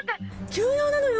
急用なのよ。